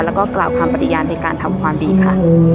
แล้วก็กล่าวคำปฏิญาณในการทำความดีค่ะ